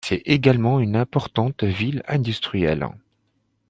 C'est également une importante ville industrielle.